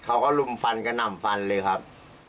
เขาก็ลุมฟันกันหน่ำฟันเลยครับ